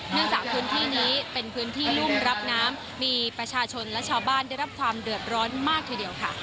จากพื้นที่นี้เป็นพื้นที่รุ่มรับน้ำมีประชาชนและชาวบ้านได้รับความเดือดร้อนมากทีเดียวค่ะ